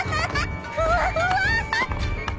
ふわふわ！